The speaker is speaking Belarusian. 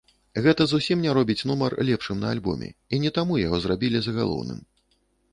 Гэта зусім не робіць нумар лепшым на альбоме, і не таму яго зрабілі загалоўным.